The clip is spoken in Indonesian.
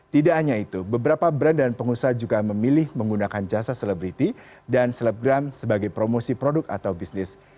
tidak hanya itu beberapa brand dan pengusaha juga memilih menggunakan jasa selebriti dan selebgram sebagai promosi produk atau bisnis